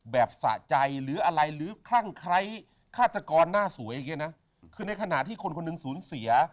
แบบสะใจหรืออะไรหรือคร่างใครฆาตกรน่าสวยคือในขณะที่คนคนนึงสูญเสีย